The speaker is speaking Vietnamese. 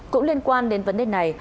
cũng liên quan đến vấn đề này